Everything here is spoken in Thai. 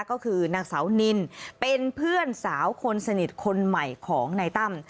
ก็คือนางสาวนินเป็นเพื่อนสาวคนสนิทคนใหม่ของนายตั้ม